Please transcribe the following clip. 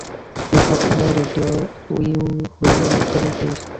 তুই সবসময় রেডিওতে হুইসেল দিস।